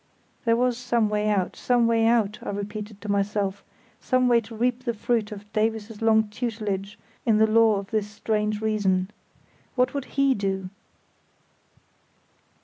There was some way out—some way out, I repeated to myself; some way to reap the fruit of Davies's long tutelage in the lore of this strange region. What would he do?